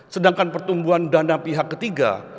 sedangkan pertumbuhan dana pihak ketiga